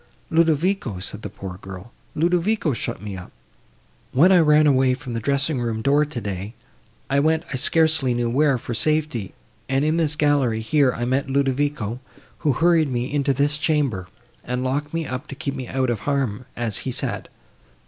"Ludovico," said the poor girl, "Ludovico shut me up. When I ran away from the dressing room door today, I went I scarcely knew where, for safety; and, in this gallery, here, I met Ludovico, who hurried me into this chamber, and locked me up to keep me out of harm, as he said.